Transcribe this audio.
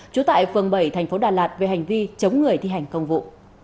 trú tại phường bảy tp đà lạt về hành vi chống người thi hành công vụ